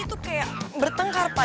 itu kayak bertengkar pak